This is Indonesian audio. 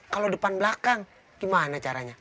kalau depan belakang gimana caranya